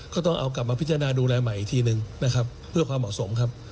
ก็ต้องเอากลับมาพิจารณาดูแลใหม่อีกทีหนึ่งนะครับเพื่อความเหมาะสมครับ